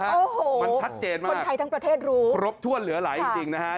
โอ้โหคนไทยทั้งประเทศรู้มันชัดเจนมากครบถ้วนเหลือหลายจริงนะฮะ